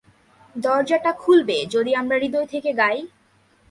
দরজাটা খুলবে যদি আমরা হৃদয় থেকে গাই।